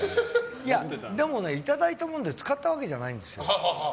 でも、いただいたもので使ったわけじゃないんですよ。